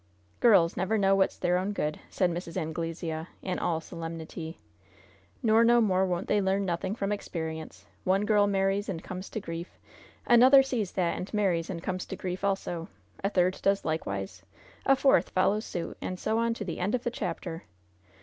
'" "Girls never know what's their own good," said Mrs. Anglesea, in all solemnity; "nor no more won't they learn nothing from experience! One girl marries and comes to grief; another sees that, and marries and comes to grief, also; a third does likewise; a fourth follows suit; and so on to the end of the chapter!